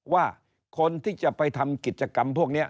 ว่าคนที่จะไปทำกิจกรรมพวกนี้